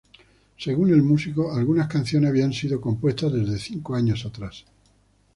Según el músico, algunas canciones habían sido compuestas desde cinco años atrás.